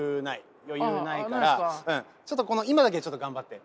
余裕ないからちょっと今だけちょっと頑張って。